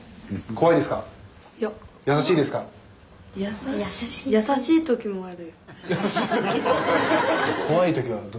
いや優しい時もある。